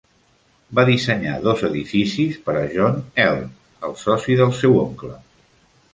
Va dissenyar dos edificis per a John Eld, el soci del seu oncle.